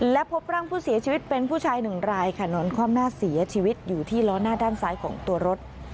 และพบร่างผู้เสียชีวิตเป็นผู้ชายหนึ่งรายค่ะนอนคว่ำหน้าเสียชีวิตอยู่ที่ล้อหน้าด้านซ้ายของตัวรถ